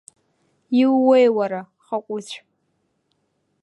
Иууеи уара, Хакәыцә?!